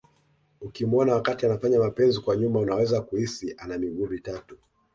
Ukimuona wakati anafanya mapenzi kwa nyuma unaweza kuhisi ana miguu mitatu